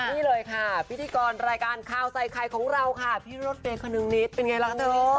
นี่เลยค่ะพิธีกรรายการข่าวใส่ไข่ของเราค่ะพี่รถเมย์คนนึงนิดเป็นไงล่ะคะเธอ